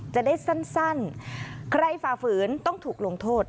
จะได้สั้นใครฝ่าฝืนต้องถูกลงโทษ